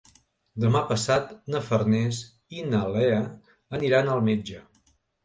Demà passat na Farners i na Lea aniran al metge.